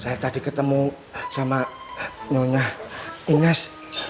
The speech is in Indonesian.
saya tadi ketemu sama nyonya inges